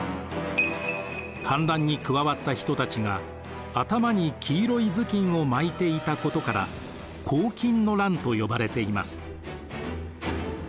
反乱に加わった人たちが頭に黄色い頭巾を巻いていたことから黄巾の乱と呼ばれています。